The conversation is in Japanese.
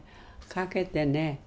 懸けてね